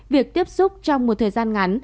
việc tiếp xúc trong một thời gian ngắn